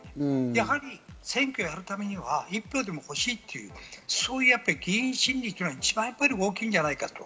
やはり選挙をやるためには１票でも欲しい、そういう議員心理というのは一番大きいんじゃないかと。